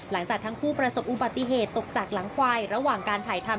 หลังจากทั้งคู่ประสบอุบัติเหตุตกจากหลังควาย